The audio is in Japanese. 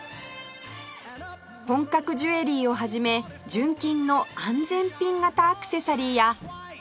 本格ジュエリーを始め純金の安全ピン型アクセサリーや